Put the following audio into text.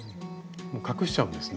隠しちゃうんですね。